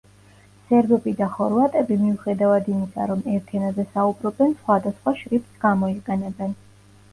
სერბები და ხორვატები მიუხედავად იმისა, რომ ერთ ენაზე საუბრობენ, სხვადასხვა შრიფტს გამოიყენებენ.